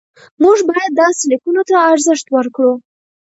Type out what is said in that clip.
موږ باید داسې لیکنو ته ارزښت ورکړو.